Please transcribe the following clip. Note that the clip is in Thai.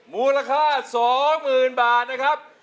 มูลค่า๒หมื่นบาทนะครับ